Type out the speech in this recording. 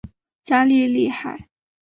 加利利海。